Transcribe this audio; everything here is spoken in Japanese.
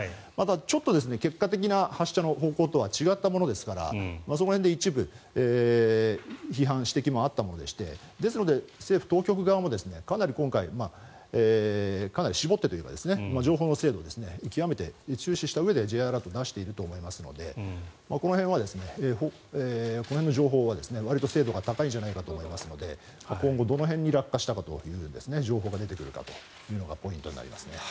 ちょっと結果的な発射の方向とは違ったものですからその辺で一部批判、指摘もあったのでですので、政府当局側もかなり今回かなり絞ってというか情報の精度を極めて注視したうえでＪアラートを出していると思いますのでこの辺の情報はわりと精度が高いんじゃないかと思いますので今後、どの辺に落下したという部分の情報が出てくるかというのがポイントになります。